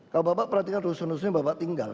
kalau bapak perhatikan rusun rusunnya bapak tinggal